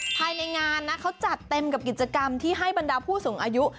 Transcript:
ภายในงานนะเขาจัดเต็มกับกิจกรรมที่ให้บรรดาผู้สูงอายุ